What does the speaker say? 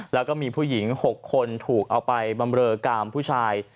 แล้วก็มีผู้หญิง๖คนถูกเอาไปบำเรอกามผู้ชาย